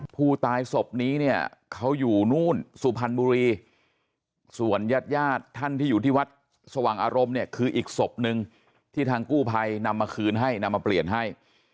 ศพนี้เนี่ยเขาอยู่นู่นสุพรรณบุรีส่วนญาติญาติท่านที่อยู่ที่วัดสว่างอารมณ์เนี่ยคืออีกศพนึงที่ทางกู้ภัยนำมาคืนให้นำมาเปลี่ยนให้